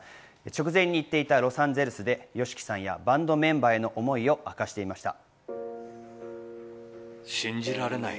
直前に行っていたロサンゼルスでＹＯＳＨＩＫＩさんやバンドメンバーへの思いを明かしていました。